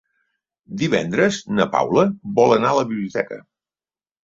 Divendres na Paula vol anar a la biblioteca.